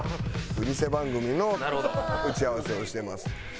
ニセ番組の打ち合わせをしてます。